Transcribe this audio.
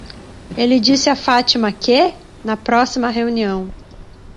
Ele disse a Fátima que? na próxima reunião.